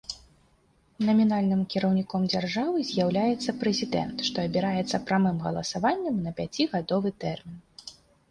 Намінальным кіраўніком дзяржавы з'яўляецца прэзідэнт, што абіраецца прамым галасаваннем на пяцігадовы тэрмін.